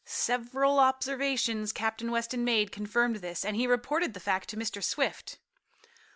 Several observations Captain Weston made confirmed this, and he reported the fact to Mr. Swift.